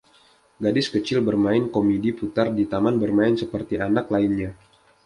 Gadis kecil bermain komidi putar di taman bermain seperti anak lainnya.